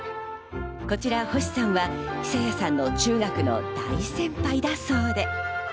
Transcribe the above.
こちら、星さんは久弥さんの中学の大先輩だそうで。